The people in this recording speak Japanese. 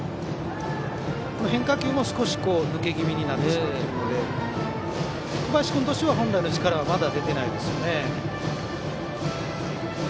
変化球も少し抜け気味になっているので小林君としては本来の力はまだ出てないです。